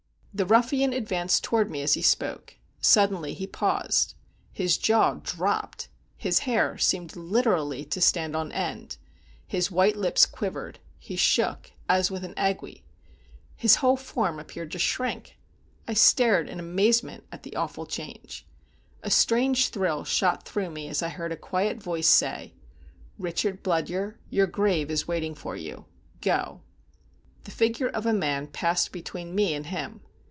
The ruffian advanced toward me as he spoke. Suddenly he paused. His jaw dropped; his hair seemed literally to stand on end; his white lips quivered; he shook, as with an ague; his whole form appeared to shrink. I stared in amazement at the awful change. A strange thrill shot through me, as I heard a quiet voice say: "Richard Bludyer, your grave is waiting for you. Go." The figure of a man passed between me and him.